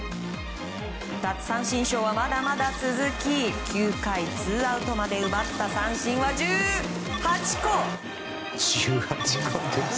奪三振ショーはまだまだ続き９回ツーアウトまで奪った三振は１８個。